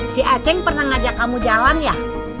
si aceng pernah ngajak kamu jalan ya